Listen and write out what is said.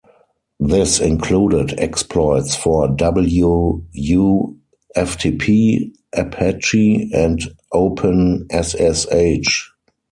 This included exploits for wu-ftp, apache, and openssh.